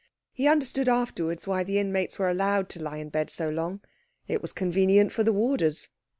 He understood afterwards why the inmates were allowed to lie in bed so long: it was convenient for the warders.